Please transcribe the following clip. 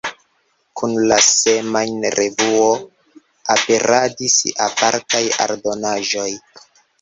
Kun la semajn-revuo aperadis apartaj aldonaĵoj.